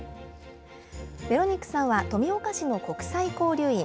ヴェロニックさんは、富岡市の国際交流員。